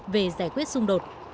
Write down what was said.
về giải quyết xung đột